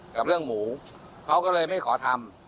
กับเรื่องหมูเขาก็เลยไม่ขอทำ